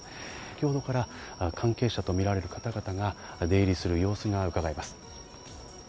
先ほどから関係者とみられる方々が出入りする様子がうかがえます。